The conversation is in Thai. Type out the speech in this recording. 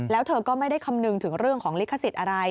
แล้วเธอก็ไม่ได้คำนึงถึงเรื่องของลิขสิทธิ์อะไร